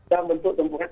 dalam bentuk tumpukan